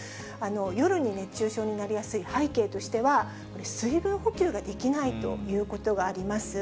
夜に熱中症になりやすい背景としては、水分補給ができないということがあります。